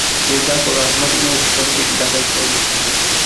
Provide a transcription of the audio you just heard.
তিনি জাফর আহমদ উসমানীকে এটি ঢাকায় উত্তোলন করতে বলেন।